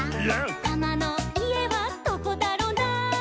「タマのいえはどこだろな」